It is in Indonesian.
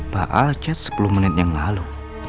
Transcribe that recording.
pak alcet sepuluh menit yang lalu